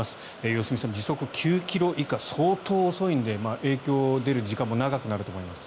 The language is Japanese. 良純さん、時速９ｋｍ以下相当遅いんで影響が出る時間も長くなると思います。